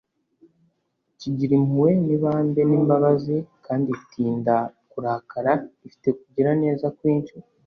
«kigira impuhwe n'ibambe n'imbabazi kandi itinda kurakara ifite kugira neza kwinshi.»